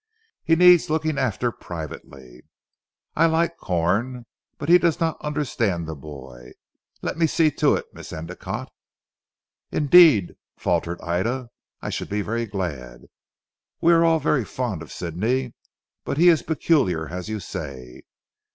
He needs looking after privately. I like Corn, but he does not understand the boy. Let me see to it, Miss Endicotte." "Indeed," faltered Ida, "I should be very glad. We are all very fond of Sidney; but he is peculiar as you say.